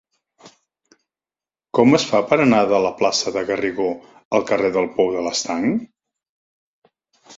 Com es fa per anar de la plaça de Garrigó al carrer del Pou de l'Estanc?